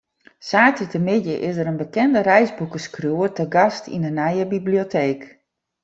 Saterdeitemiddei is in bekende reisboekeskriuwer te gast yn de nije biblioteek.